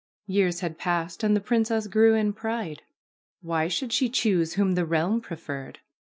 Years had passed and the princess grew in pride. Why should she choose whom the realm preferred